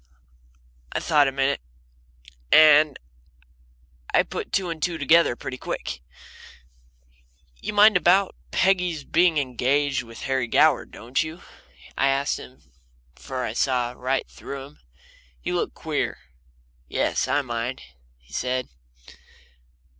I thought a minute, and put two and two together pretty quick. "You mind about Peggy's being engaged to Harry Goward, don't you?" I asked him; for I saw right through him then. He looked queer. "Yes, I mind," he said.